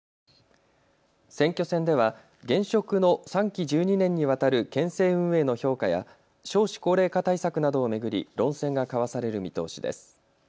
選挙戦では現職の３期１２年にわたる県政運営の評価や少子高齢化対策などを巡り論戦が交わされる見通しです。